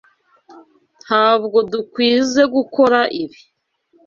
Ntabwo dukwizoe gukora ibi.